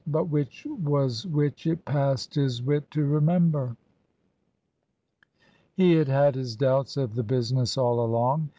But which was which it passed his wit to remember. He had had his doubts of the business all along.